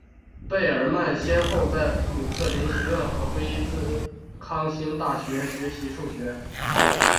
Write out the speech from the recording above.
贝尔曼先后在布鲁克林学院和威斯康星大学学习数学。